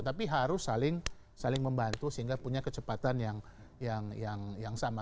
tapi harus saling membantu sehingga punya kecepatan yang sama